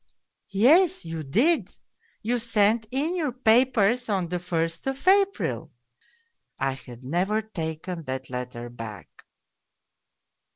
' Yes, you did you sent in your papers on the first of April/ (I had never taken that letter back